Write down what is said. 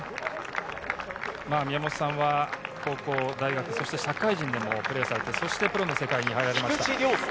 宮本さんは、高校、大学、そして社会人でもプレーされてプロの世界に入られました。